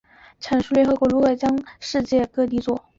联合国地理区划列表阐述联合国如何为世界各地作。